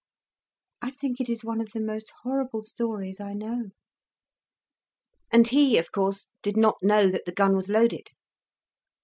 "I think it is one of the most horrible stories I know." "And he of course did not know that the gun was loaded?"